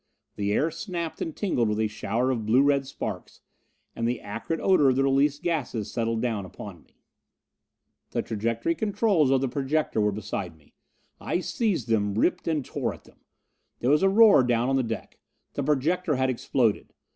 The air snapped and tingled with a shower of blue red sparks, and the acrid odor of the released gases settled down upon me. The trajectory controls of the projector were beside me. I seized them, ripped and tore at them. There was a roar down on the deck. The projector had exploded.